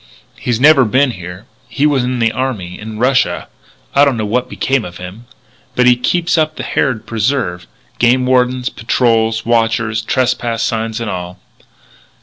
He's never been here he was in the army in Russia I don't know what became of him but he keeps up the Harrod preserve game wardens, patrols, watchers, trespass signs and all."